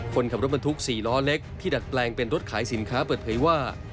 คนขับรถบรรทุก๔ล้อเล็กที่ดัดแปลงเป็นรถขายสินค้าเปิดเผยว่า